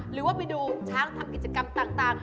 หรือว่าไปดูช้างทำกิจกรรมต่าง